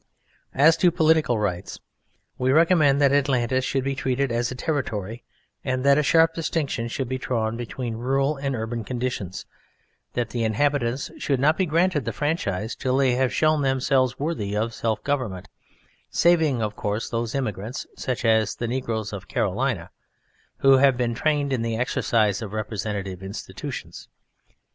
As to political rights, we recommend that Atlantis should be treated as a territory, and that a sharp distinction should be drawn between Rural and Urban conditions; that the inhabitants should not be granted the franchise till they have shown themselves worthy of self government, saving, of course, those immigrants (such as the negroes of Carolina, etc.) who have been trained in the exercise of representative institutions.